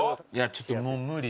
ちょっともう無理。